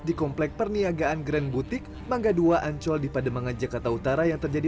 di kompleks perniagaan grand boutique mangga dua ancol di pademangah jakarta utara yang terjadi